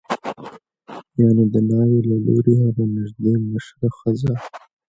یعنې د ناوې له لوري هغه نژدې مشره ښځه